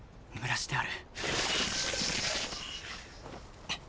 眠らしてある。